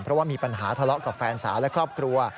เพราะว่ามีปัญหาทะเลาะกับแฟนสาวและครอบครัว